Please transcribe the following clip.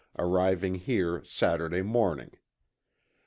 arriving here Saturday morning.